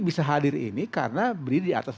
bisa hadir ini karena berdiri di atas